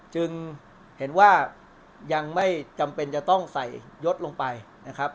จึงเห็นว่ายังไม่จำเป็นจะต้องใส่ยดลงไปนะครับ